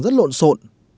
rất lộn xộn